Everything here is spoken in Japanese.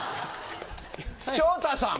昇太さん。